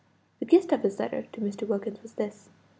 The gist of his letter to Mr. Wilkins was this.